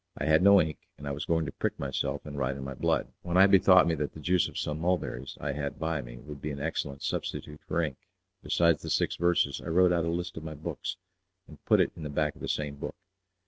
I had no ink, and I was going to prick myself and write in my blood, when I bethought me that the juice of some mulberries I had by me would be an excellent substitute for ink. Besides the six verses I wrote out a list of my books, and put it in the back of the same book.